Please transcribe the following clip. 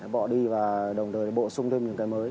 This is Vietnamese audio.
bỏ đi và đồng thời bổ sung thêm những cái mới